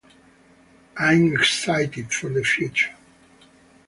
I’m excited for the future.